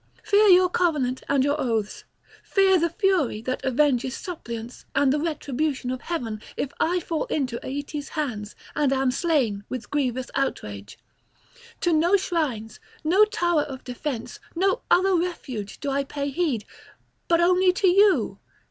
Fear your covenant and your oaths, fear the Fury that avenges suppliants and the retribution of heaven, if I fall into Aeetes' hands and am slain with grievous outrage. To no shrines, no tower of defence, no other refuge do I pay heed, but only to you.